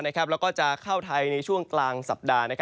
แล้วก็จะเข้าไทยในช่วงกลางสัปดาห์